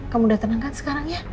kamu udah tenangkan sekarang ya